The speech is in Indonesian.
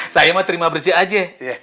saya mah terima bersih aja